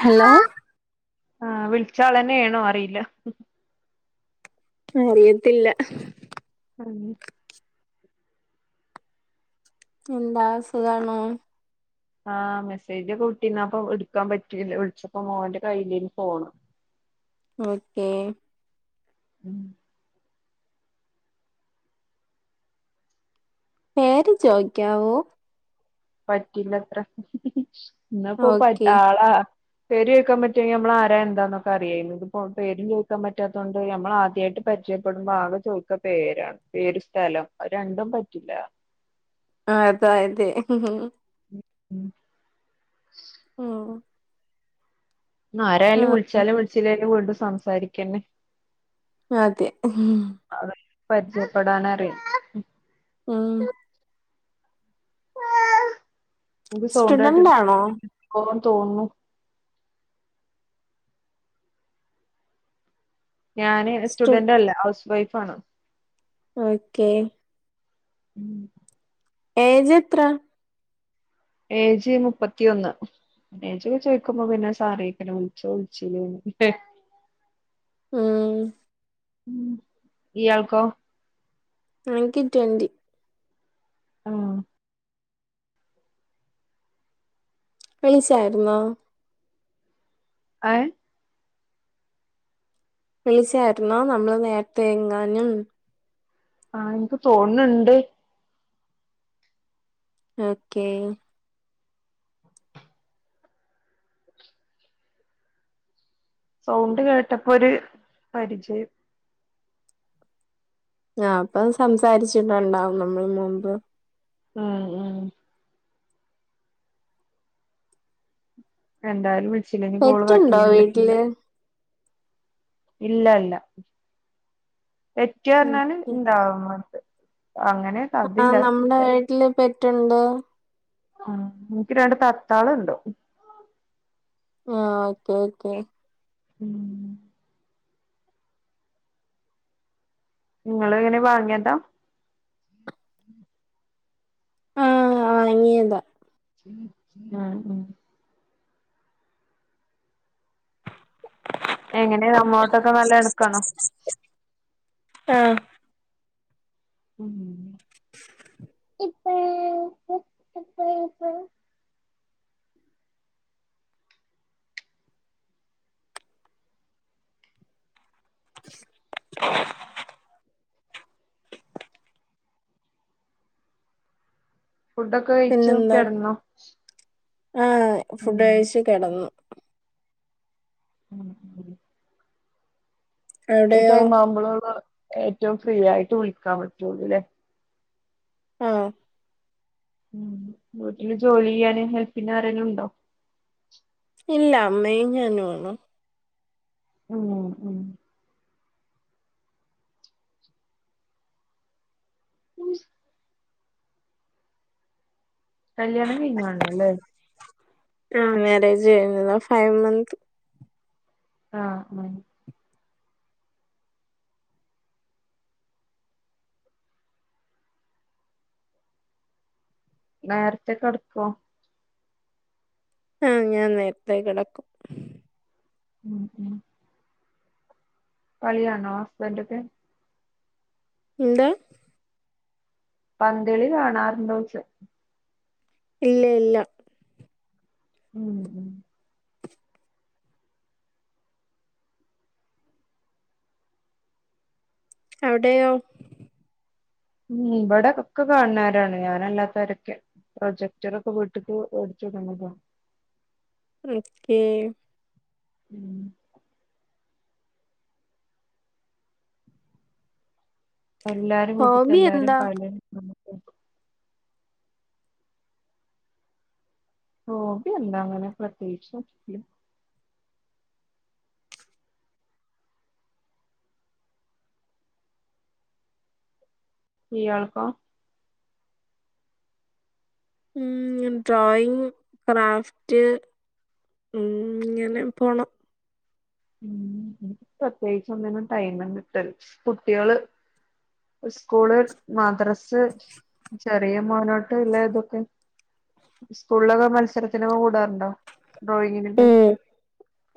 Hello ആഹ് വിളിച്ചാളന്നെ ഏണോ അറിയില്ല അറിയത്തില്ല ആം എന്താ സുഖാണോ ആഹ് മെസ്സേജ് വിട്ടിന്ന പ്പം എടുക്കാൻ പറ്റീല വിളിച്ചപ്പോ മോന്റെ കയ്യിലേന്ന് ഫോണ് ഓക്കെ ഉം പേര് ചോയിക്കാവോ പറ്റില്ലാത്ര ഇന്നപ്പോ ഓക്കെ ആളാ പേര് ചോയിക്കാൻ പറ്റുവെങ്കിൽ ഞമ്മള് ആരാ എന്താന്നൊക്കെ അറിയേനു ഇതിപ്പോ പേരും ചോയിക്കാൻ പറ്റാത്തോണ്ട് ഞമ്മള ആദ്യാട്ട് പരിചയപ്പെടുമ്പോ ആക ചോയിക്കാ പേരാണ് പേര് സ്ഥലം രണ്ടും പറ്റില്ല ആഹ് അത അതെ ഉം ഉം ആരായാലും ആഹ് വിളിച്ചാലും വിളിച്ചില്ലേലും വീണ്ടും സംസാരിക്കന്നെ അതെ ഉം അതെ പരിജയപ്പെടാനാ ഉം ഒരു സൗണ്ടേട്ടിട്ട് സ്റ്റുഡന്റ് ആണോ ഓ തോന്നുന്നു ഞാന് സ്റ്റു സ്റ്റുഡന്റ് അല്ല ഹൗസ് വൈഫ് ആണ് ഓക്കേ ഉം ഏ ജ് എത്ര ഏ ജ് മുപ്പത്തി ഒന്ന് എജി ഒക്കെ ചേയിച്ചോക്കുമ്പം പിന്നെ സാറോക്കനു വിൽച്ചോ വിൽച്ചില്ലേ ന്ന് ല്ലെ ഉം ഉം ഇയാൾക്കോ ആഹ് എൻക്ക് ട്വന്റി ആഹ് വിളിച്ചായിരുന്നോ [unintelligible] വിളിച്ചാരുന്നോ നമ്മള് നേരത്തെ എങ്ങാനും ആഹ് എൻക്ക് തോന്ന് ന്ന്ണ്ട് ഓക്കേ സൗണ്ട് കേട്ടപ്പോ ഒരു പരിജയം ആഹ് അപ്പം സംസാരിച്ചിട്ടൊണ്ടാവും നമ്മള് മുമ്പ് ആഹ് ആഹ് എന്തായാലും വിളിച്ചില്ലെങ്കി കോള് പെറ്റുണ്ടോ കട്ടെയ്യാനും പറ്റില്ല വീട്ടില് ഇല്ല ഇല്ല പെറ്റിയാ പറഞ്ഞാല് ഓക്കെ ഇണ്ടാവും തോന്ന്ണ്ട്അങ്ങനെ ആഹ് നമ്മുടെ വീട്ടില് പെറ്റുണ്ട് ഉം എൻക്ക് രണ്ട് തത്താളുണ്ട് ആഹ് ഓക്കെ ഓക്കേ ഉം ഇങ്ങള് എങ്ങനെ വാങ്ങിയതാ ആഹ് വാങ്ങിയതാ ആഹ് ആ എങ്ങനെ നമ്മോട്ടൊക്കെ നല്ല എടുക്കണോ ആ ഉം [unintelligible] [inaudible] ഫുഡൊക്കെ കഴിച്ചോ പിന്നെന്താ കെടന്നോ? ആഹ് ഫുഡ്ഡഴിച് കെടന്നു. ഉം [unintelligible] ഈ അവിടെയോ ടൈമാവുമ്പളാണ് ഏറ്റവും ഫ്രീയായിട്ട് വിളിക്കാൻ പറ്റൊള്ളൂ ല്ലേ? ആഹ് വീട്ടില് ജോലിയെയ്യാന് ഹെല്പിനാരെല്ലുണ്ടോ? ഇല്ല അമ്മയും ഞാനോളു ഉം ഉം [inaudible] കല്യാണം കഴിഞ്ഞാണല്ലേ? ലെ ആഹ് മേരേജ് കഴിഞ്ഞതാ ഫൈവ് മന്ത്ത് ആഹ് ആ നേര്ത്തെ കെടക്കോ ആഹ് ഞാൻ നേരത്തേ കെടക്കും. ഉം കളികാണോ ഹസ്ബൻ്റാക്കെ? എന്താ പന്തളി കാണാറുണ്ടോയ്ച്ച. ഇല്ല ഇല്ല ഉം അവിടെയോ? ഉം ഇവടെ ഒക്കെ കാണൊരാണ് ഞാനല്ലാത്തോരൊക്കെ. പ്രൊജെക്റ്ററൊക്കെ വീട്ട്ക്ക് വേട്ച്ചൊട്ന്നതാ വിളിക്കി ഉം എല്ലാരും വീട്ടത്തെ ഹോബി എല്ലാരും എന്താ [unintelligible] ഹോബി എന്താ അങ്ങനെ പ്രത്യേയിച്ച് ല്ല. ഇയാൾക്കോ? ഉം ഡ്രായിങ്, ക്രാഫ്റ്റ് ഉം ങ്ങനെ പോണം. ഉം ഇൻക്ക് പ്രത്യേയിചൊന്നിനും ടൈമ് കിട്ടല് കുട്ടിയാള് ഇസ്കൂള്, മദ്രസ് ചെറിയ മോനോട്ട് ഇല്ല ഇതൊക്കെ സ്കൂൾലൊക്കെ മത്സരത്തിനൊക്കെ കൂടാറുണ്ടോ? ഡ്രോയിങ്ങിനൊക്കെ. ഉം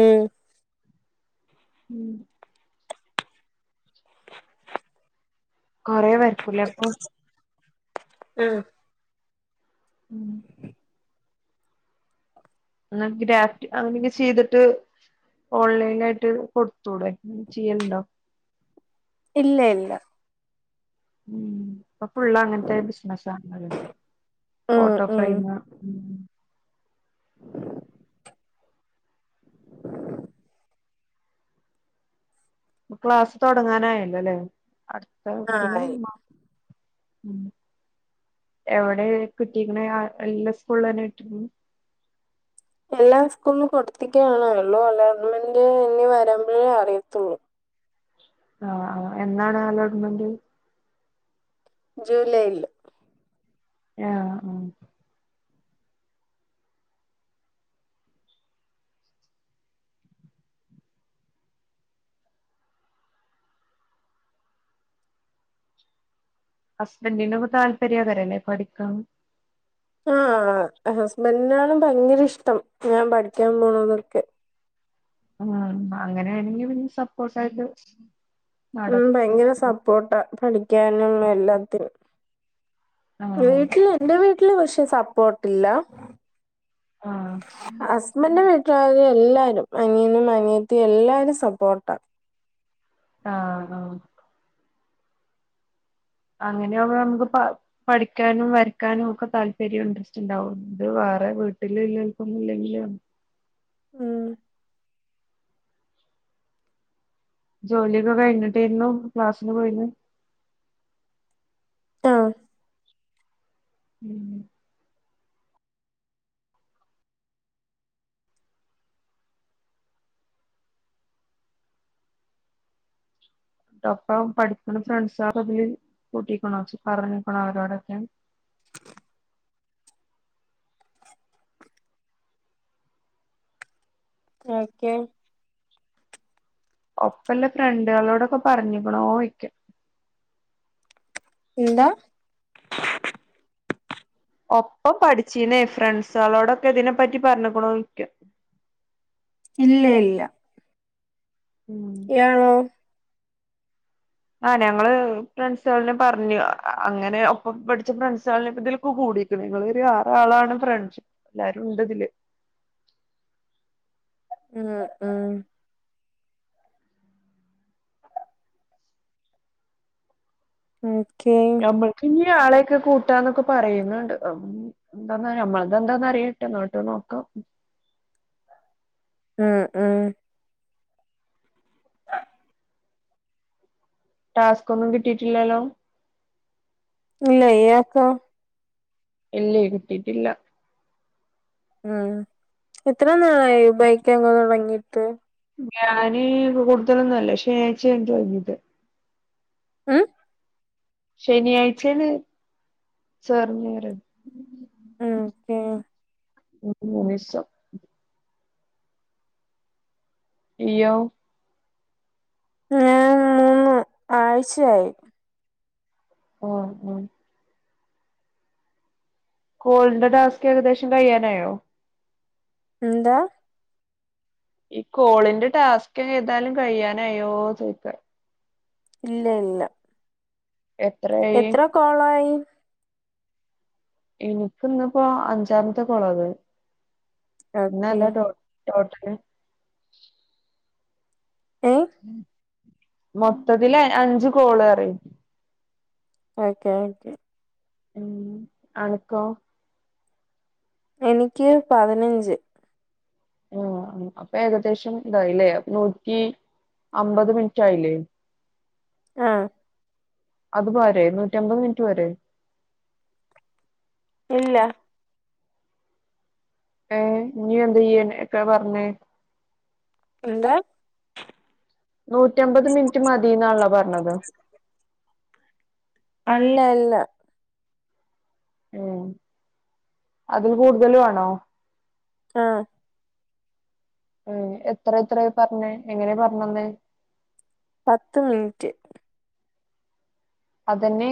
ഉം ഉം കൊറെ വരക്കുല്ലെ അപ്പോ ആഹ് ഉം ഇന്നാ അന്ക്ക് ഗ്രാഫ്റ്റ് അഹ് പിന്നെ ചെയ്ത്ട്ട് ഓൺലൈനായിയിട്ട് കൊടുത്തൂടെ ഉം ചെയ്യല്ണ്ടോ ഇല്ല ഇല്ല ഉം ഇപ്പം ഫുള്ള് അങ്ങത്തെ ബിസിനസാള്ളെയ് ഉം ഫോട്ടോ ഉം ഫ്രെയിമ് ക്ലാസ് തൊടങ്ങാനായല്ലോല്ലേ അട്ത്ത ഇതില് ആഹ് മാ ഉം എവ്ടെ കിട്ടിക്ക്ണെ ആ ഇല്ലെ സ്കൂള്ളെന്നെ കിട്ടിന് എല്ലാ സ്കൂളും കൊടുത്തിട്ടേള്ളു ഇള്ളെ അലോട്ട്മെന്റ് ഇനി വെരുമ്പഴേ അറിയത്തുള്ളു ആഹ് ആഹ് എന്നാണ് അലോട്ട്മെന്റ് ജൂലൈയില് ആഹ് ഉം ഹസ്ബൻഡിനും താല്പര്യേകാരല്ലെ പഠിക്കാം ആഹ് ആഹ് ഹസ്ബന്റിനാണ് ഭയങ്കര ഇഷ്ടം ഞാൻ പഠിക്ക്യാൻ പോണതൊക്കെ ആഹ് അങ്ങനെ ആണെങ്കി പിന്നെ സപ്പോർട്ടായിട്ട് ഉം നടക്കും ഭയങ്കര സപ്പോർട്ടാ പഠിക്ക്യാനും എല്ലാത്തിനും ആ വീട്ടില് എന്റെ വീട്ടില് പക്ഷേ സപ്പോർട്ടില്ല ആ ഹസ്ബന്റെ വീ ട്ടാര് എല്ലാരും അനിയും അനിയത്തിം എല്ലാരും സപ്പോർട്ടാ ആഹ് ആഹ് അങ്ങനെയാവാവുമ്പം പ പഠിക്ക്യാനും വരക്കാനും ഒക്കെ താല്പര്യം ഇൻട്രസ്റ്റ് ഇണ്ടാവും ഇത് വേറെ വീട്ടില് ഇല്ലോല്ക്കൊന്നും ഇല്ലെങ്കില് ഞ ഉം ജോലിയൊക്കെ കഴിഞ്ഞിട്ടേരുന്നു ക്ലാസ്സിന് പോയിര്ന്നെ ട്ടോ ഉം ട്ടൊപ്പം പഠിക്ക്ണ ഫ്രണ്ട്സളെ ഇതില് കൂട്ടിക്ക്ണോ പറഞ്ഞ്ക്ക്ണോ അവരോടൊക്കെ ഓക്കെ ഒപ്പെല്ലേ ഫ്രണ്ട്ളോടൊക്കെ പറഞ്ഞ്ക്ക്ണോയിക്കാ എന്താ ഒപ്പം പഠിച്ചീന്നേ ഫ്രണ്ട്സളോടൊക്കെ ഇതിനെപ്പറ്റി പറഞ്ഞ്ക്ക്ണോയിക്ക്യാ ഇല്ല ഇല്ല ഉം ഇയാളോ ആഹ് ഞങ്ങള് ഫ്രണ്ട്സാള്ന്നെ പറഞ്ഞു ആഹ് അങ്ങനെ ഒപ്പം പഠിച്ച ഫ്രെണ്ട്സാളന്നെ ഇപ്പം ഇതില്ക്ക് കൂടി [unintelligible] ഒരു ആറാ ആളാണ് ഫ്രണ്ട്സ് എല്ലാരുണ്ട് ഇതില് ഉം ആഹ് ഓക്കേ ഇവട്ക്കിഞ്ഞ് ആളെയൊക്കെ കൂട്ടാന്നൊക്കെ പറയ്ന്ന്ണ്ട് ആഹ് ഉം എന്താന്ന ഞമ്മള്തെന്താന്നാ അറിയട്ടെ എന്ന്ട്ട് നോക്കാ ആഹ് ആഹ് ആ ടാസ്കൊന്നും കിട്ടിയിട്ടില്ലല്ലോ ഇല്ല ഇയാൾക്കോ ഇല്ലേ കിട്ടിട്ടില്ല ഉം എത്ര നാളായി ബൈക്ക് [unintelligible] തുടങ്ങിയിട്ട് ഞാന് കൂടുതലൊന്നും അല്ലക്ഷേ [unintelligible] ഏഹ് ശനിയാഴ്ചയില് ചേർന്ന് വര [unintelligible] [unintelligible] ഇയ്യോ ഞാൻ മൂന്ന് ആഴ്ചയായി ഉം ഉം കോൾടെ ഡാസ്ക്ക് ഏകദേശം കഴ്യാനായോ എന്താ ഈ കോളിന്റെ ടാസ്ക് ചെയ്താലും കഴിയാനായ്യോ ചോയ്ക്ക ഇല്ല ഇല്ല എത്രയായി കൊളായി ഇൻക്ക് ഇന്നിപ്പോഅഞ്ചാമത്തെ കോളാത് ഓക്കെ [unintelligible] ടോട്ടല് ഏഹ് മൊത്തത്തിൽ അഞ്ച് കോള് അറിം ഓക്കെ ഓക്കെ ഉം അനക്കോ എനിക്ക് പതിനഞ്ച് ആഹ് അപ്പൊ ഏകദേശം ഇതായില്ലേ നൂറ്റി അമ്പത് മിനിറ്റ് ആയില്ലേ ആഹ് അത് പോരെ നൂറ്റി അമ്പത് മിനിറ്റ് പോരെ ഇല്ല ഏഹ് നീ എന്താ ചെയ്യന ക്കെ പറഞ്ഞേ എന്താ നൂറ്റിഅമ്പത് മിനിറ്റ് മതിന്നാണല്ലോ പറഞ്ഞത് അല്ല അല്ല ഏഹ് അതിൽ കൂടുതല് വേണോ ആഹ് ഏഹ് എത്ര എത്രയാ പറഞ്ഞേ എങ്ങനെയാ പറഞ്ഞന്ന് പത്ത് മിനിറ്റ് അതന്നെ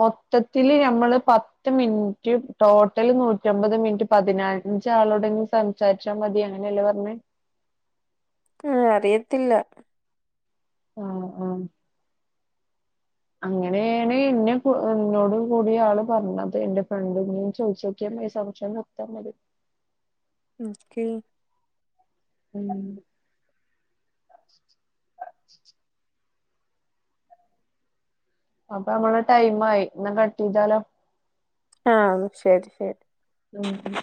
മൊത്തത്തിൽ ഞമ്മള് പ ത്ത് മിനിറ്റ് ടോട്ടൽ നൂറ്റിഅമ്പത് മിനിറ്റ് പതിനഞ്ച്ആളോടെൻ സം സാരിച്ചാ മതി അങ്ങനെയല്ലേ പറഞ്ഞേ ഉം അറിയത്തില്ല ആഹ് ആഹ് അങ്ങനെയാണ് എന്നെ എന്നോട് കൂടിയ ആള് പറഞ്ഞത് എന്റെ ഫ്രണ്ടിനും ചോയ്ച്ചോ [unintelligible] സംശയം മൊത്തംള്ളത് ഇൻക്കെ ഉം അപ്പൊ നമ്മളെ ടൈം ആയി ന്നാ കട്ട് ചെയ്താലോ ആഹ് ന്നാ ശരി ശരി ഉം ഉം